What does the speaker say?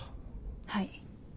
はい。